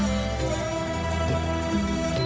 โอ้โหโอ้โหโอ้โหโอ้โห